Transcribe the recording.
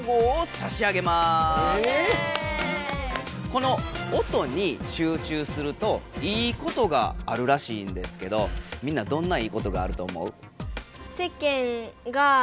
この音に集中するといいことがあるらしいんですけどみんなどんないいことがあると思う？